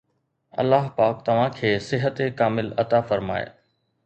الله پاڪ توهان کي صحت کامل عطا فرمائي